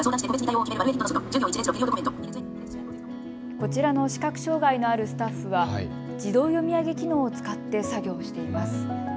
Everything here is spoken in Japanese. こちらの視覚障害のあるスタッフは自動読み上げ機能を使って作業しています。